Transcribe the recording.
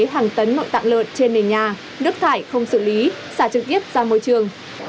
hàng tấn nội tạng lợn trên nền nhà nước thải không xử lý xả trực tiếp ra môi trường